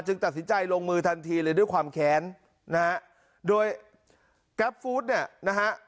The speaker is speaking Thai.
ตัดสินใจลงมือทันทีเลยด้วยความแค้นนะฮะโดยแก๊ปฟู้ดเนี่ยนะฮะ